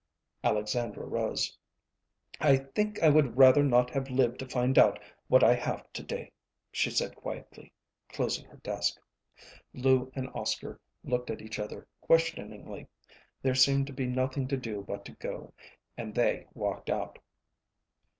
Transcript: Alexandra rose. "I think I would rather not have lived to find out what I have to day," she said quietly, closing her desk. Lou and Oscar looked at each other questioningly. There seemed to be nothing to do but to go, and they walked out.